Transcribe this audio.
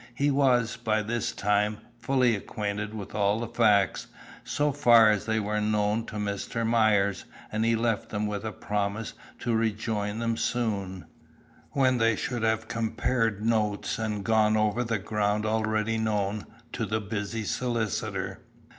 He was, by this time, fully acquainted with all the facts, so far as they were known to Mr. Myers, and he left them with a promise to rejoin them soon, when they should have compared notes and gone over the ground already known to the busy solicitor.